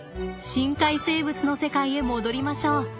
深海生物の世界へ戻りましょう。